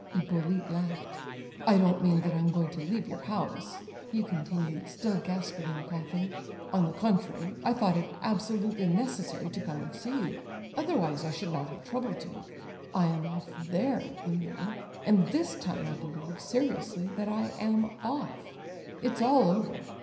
Hippolyte laughed. "I don't mean that I am going to leave your house," he continued, still gasping and coughing. "On the contrary, I thought it absolutely necessary to come and see you; otherwise I should not have troubled you. I am off there, you know, and this time I believe, seriously, that I am off! It's all over.